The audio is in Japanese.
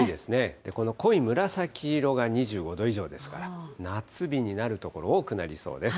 この濃い紫色が２５度以上ですから、夏日になる所多くなりそうです。